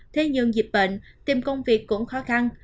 thế nhưng dịch bệnh tìm công việc cũng khó khăn